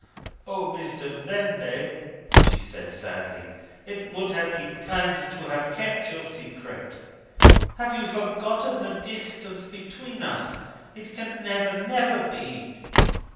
"O, Mr. Vendale," she said sadly, "it would have been kinder to have kept your secret. Have you forgotten the distance between us? It can never, never be!"